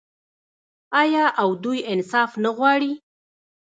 آیا او دوی انصاف نه غواړي؟